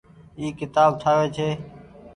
اي ڪيتآب ٺآوي ڇي۔